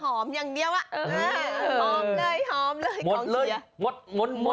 ชอมอย่างเดียวอ่ะคอมเลยคอม